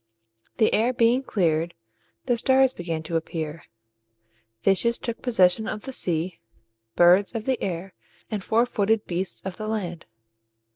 The air being cleared, the stars began to appear, fishes took possession of the sea, birds of the air, and four footed beasts of the land.